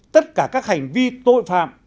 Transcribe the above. tất cả các hành vi tội phạm